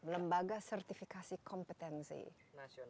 lembaga sertifikasi kompetensi